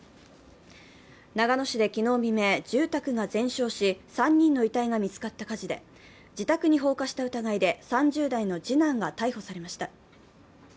長野市で昨日未明、住宅が全焼し３人の遺体が見つかった火事で、自宅に放火した疑いで３０代の次男が逮捕されました。